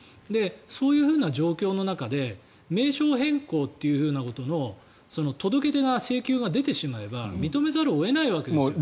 そういうふうな状況の中で名称変更ということの届け出が、請求が出てしまえば認めざるを得ないわけですよ。